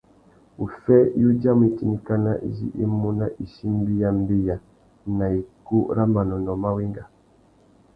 Uffê i udjamú itindikana izí i mú nà ichimbî ya mbeya na ikú râ manônōh mà wenga.